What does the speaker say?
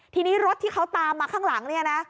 ทีนี้รถที่เขาตามมาข้างหลังเนี่ยนะ